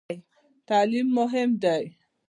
تعلیم مهم دی؟